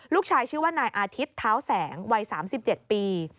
ชื่อว่านายอาทิตย์เท้าแสงวัย๓๗ปี